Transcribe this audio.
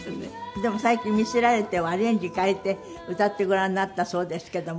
でも最近『魅せられて』をアレンジ変えて歌ってごらんになったそうですけども。